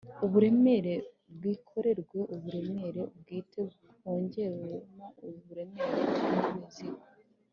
Uburemere bwikoreweUburemere bwite hongewemo uburemere bw’imizigo